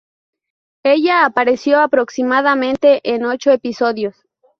Ella apareció aproximadamente en ocho episodios.